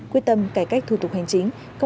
quyết tâm cải cách thủ tục hành chính